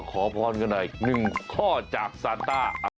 แล้วพบกันใหม่นะคะสวัสดีค่ะ